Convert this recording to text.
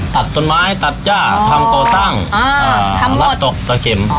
ตัดต้นไม้ตัดจ้าทำตัวสร้างอ่าทำหมดสะเข็มอ๋อ